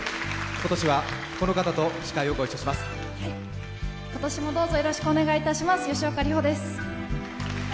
今年もどうぞよろしくお願いいたします、吉岡里帆です。